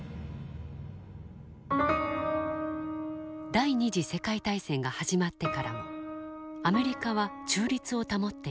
第二次世界大戦が始まってからもアメリカは中立を保っていた。